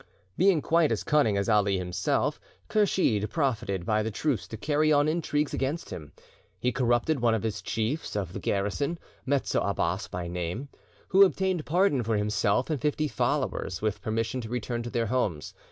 Being quite as cunning as Ali himself, Kursheed profited by the truce to carry on intrigues against him. He corrupted one of the chiefs of the garrison, Metzo Abbas by name, who obtained pardon for himself and fifty followers, with permission to return to their homes.